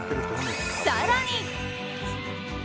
更に。